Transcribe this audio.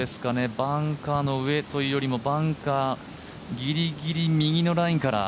バンカーの上というよりもバンカーぎりぎり右のラインから。